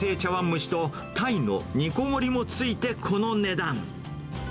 蒸しとタイの煮凝りもついて、この値段。